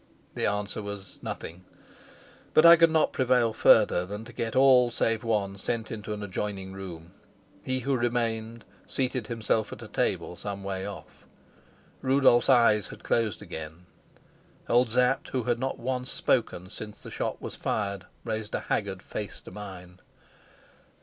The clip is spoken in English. The answer was nothing; but I could not prevail further than to get all save one sent into an adjoining room; he who remained seated himself at a table some way off. Rudolf's eyes had closed again; old Sapt, who had not once spoken since the shot was fired, raised a haggard face to mine.